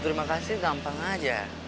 terima kasih gampang aja